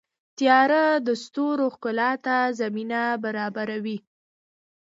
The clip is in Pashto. • تیاره د ستورو ښکلا ته زمینه برابروي.